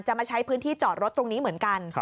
มาใช้พื้นที่จอดรถตรงนี้เหมือนกัน